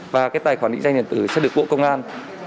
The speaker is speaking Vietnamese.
và cái tài khoản định danh điện tử sẽ được bộ công an